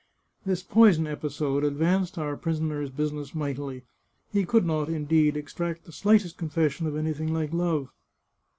This poison episode advanced our prisoner's business mightily. He could not, indeed, extract the slightest con fession of anything like love.